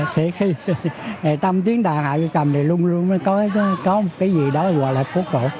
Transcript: thế khi trong tiếng đàn hạ uy cầm thì luôn luôn mới có cái gì đó gọi là phố cổ